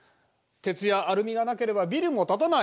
鉄やアルミがなければビルも建たない。